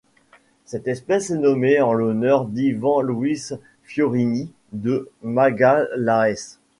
Cette espèce est nommée en l'honneur d'Ivan Luiz Fiorini de Magalhães.